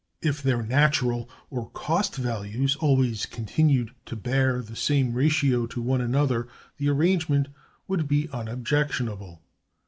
If [their] natural or cost values always continued to bear the same ratio to one another, the arrangement would be unobjectionable.